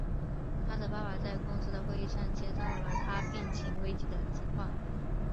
他的爸爸在公司的会议上接到了他病情危机的情况。